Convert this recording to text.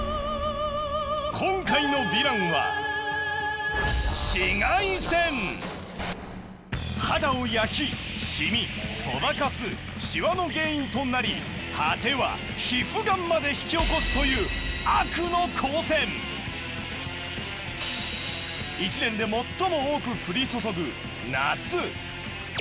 今回のヴィランは肌を焼きシミソバカスシワの原因となり果ては皮膚ガンまで引き起こすという一年で最も多く降り注ぐ夏。